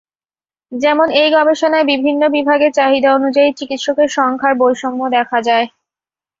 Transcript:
যেমন এই গবেষণায় বিভিন্ন বিভাগে চাহিদা অনুযায়ী চিকিৎসকের সংখ্যার বৈষম্য দেখা যায়।